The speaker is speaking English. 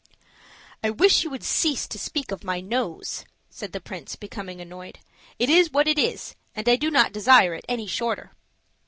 "I wish you would cease to speak of my nose," said the prince, becoming annoyed. "It is what it is, and I do not desire it any shorter."